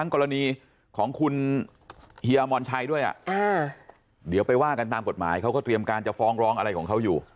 กรณีของคุณเฮียมรชัยด้วยเดี๋ยวไปว่ากันตามกฎหมายเขาก็เตรียมการจะฟ้องร้องอะไรของเขาอยู่